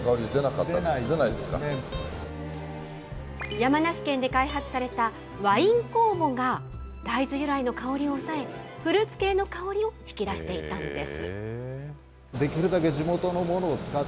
山梨県で開発されたワイン酵母が大豆由来の香りを抑え、フルーツ系の香りを引き出していたんです。